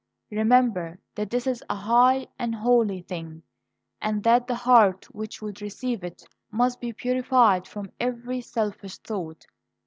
Remember that this is a high and holy thing, and that the heart which would receive it must be purified from every selfish thought.